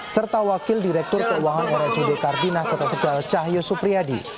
serta wakil direktur keuangan rsud kardinah kota tegal cahyo supriyadi